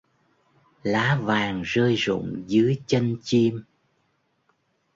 Lá vàng rơi rụng dưới chân chim